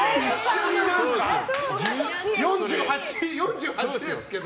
４８ですけど。